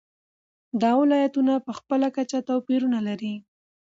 دا ولایتونه په خپله کچه توپیرونه لري.